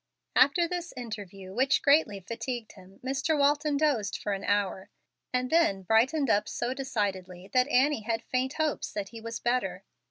After this interview, which greatly fatigued him, Mr. Walton dozed for an hour, and then brightened up so decidedly that Annie had faint hopes that he was better.